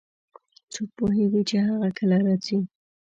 څوک پوهیږي چې هغه کله راځي